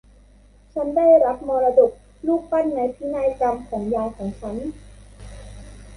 ฉันได้รับมรดกรูปปั้นในพินัยกรรมของยายของฉัน